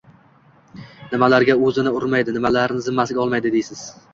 nimalarga o’zini urmaydi, nimalarni zimmasiga olmaydi deysiz?